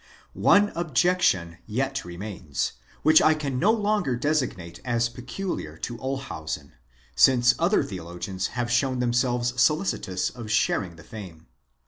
One objection yet remains, which I can no longer designate as peculiar to Olshausen, since other theologians have shown themselves solicitous of shar ing the fame.